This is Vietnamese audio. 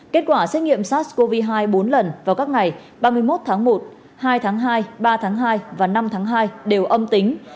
kết quả xét nghiệm sars cov hai bốn lần vào các ngày ba mươi một tháng một hai tháng hai ba tháng hai và năm tháng hai đều âm tính